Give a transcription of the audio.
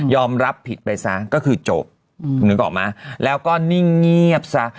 รับผิดไปซะก็คือจบนึกออกไหมแล้วก็นิ่งเงียบซะ